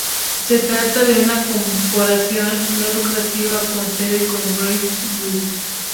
Se trata de una corporación no lucrativa con sede en Salt Lake City, Utah.